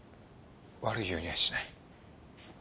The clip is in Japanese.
悪いようにはしない。